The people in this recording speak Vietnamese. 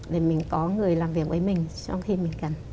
để mình có người làm việc với mình trong khi mình cần